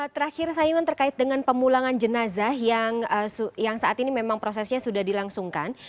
terakhir sayuan terkait dengan pemulangan jenazah yang saat ini memang prosesnya sudah dilangsungkan